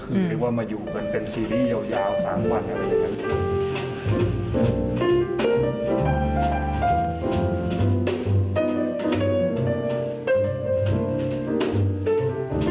เรียกว่ามาอยู่กันเป็นซีรีส์ยาวสามวันอะไรแบบนี้